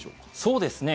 そうですね。